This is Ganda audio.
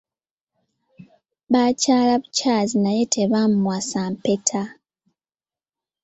Baakyala bukyazi naye tebaamuwasa mpeta.